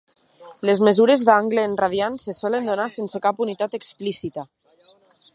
Les mesures d'angle en radians se solen donar sense cap unitat explícita.